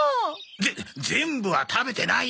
ぜ全部は食べてないよ！